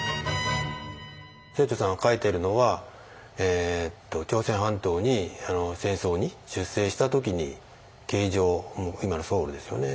清張さんが書いてるのは朝鮮半島に戦争に出征した時に京城今のソウルですよね。